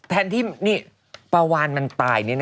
แทนที่นี่ปลาวานมันตายนี่นะ